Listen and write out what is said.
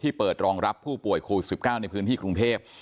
เปิดรองรับผู้ป่วยโควิด๑๙ในพื้นที่กรุงเทพ